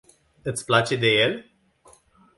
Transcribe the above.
Iti place de el?